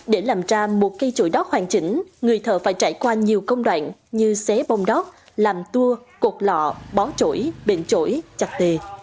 để làm ra một cây chổi đót hoàn chỉnh người thợ phải trải qua nhiều công đoạn như xé bông đót làm tour cột lọ bó chổi bệnh trỗi chặt tề